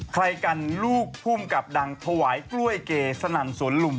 ใครกันลูกภูมิกับดังถวายกล้วยเกสนั่นสวนลุม